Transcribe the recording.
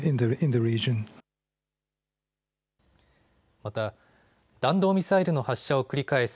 また、弾道ミサイルの発射を繰り返す